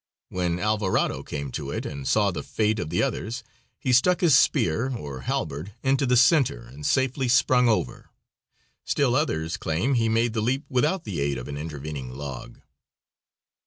When Alvarado came to it and saw the fate of the others, he stuck his spear, or halberd, into the center and safely sprung over. Still others claim he made the leap without the aid of an intervening log.